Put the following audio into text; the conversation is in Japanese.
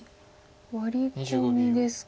ワリコミですか。